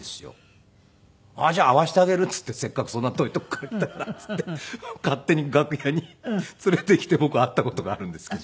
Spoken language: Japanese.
あっじゃあ会わせてあげるっていってせっかくそんな遠いとこから来たからっていって勝手に楽屋に連れてきて僕会った事があるんですけど。